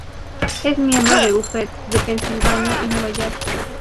Es miembro de bufetes de Pennsylvania y Nueva York.